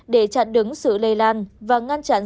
để chặn đứng sự lây lan và ngăn chặn